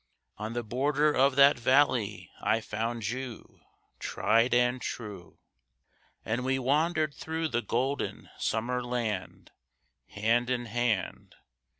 On the border of that valley I found you, Tried and true; And we wandered through the golden Summer Land Hand in hand.